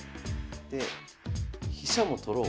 で飛車も取ろう。